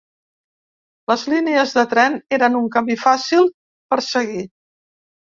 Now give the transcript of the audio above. Les línies de tren eren un camí fàcil per seguir.